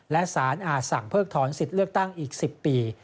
และสารอาจสั่งเพิกถอนสิทธิ์เลือกตั้งอีก๑๐ปี